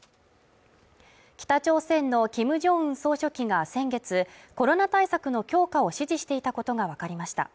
北朝鮮のキム・ジョンウン総書記が先月コロナ対策の強化を指示していたことがわかりました。